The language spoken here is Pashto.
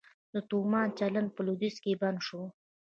د تومان چلند په لویدیځ کې بند شو؟